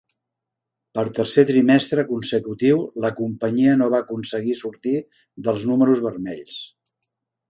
Per tercer trimestre consecutiu, la companyia no va aconseguir sortir dels números vermells.